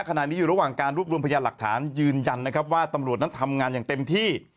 ขณะนี้อยู่ระหว่างการรวบรวมพยานหลักฐานยืนยันนะครับว่าตำรวจนั้นทำงานอย่างเต็มที่